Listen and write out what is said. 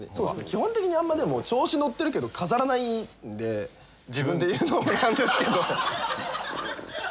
基本的に調子乗ってるけど飾らないんで自分で言うのもなんですけど。